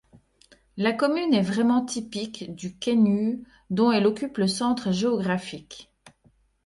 La commune est vraiment typique du Kainuu dont elle occupe le centre géographique.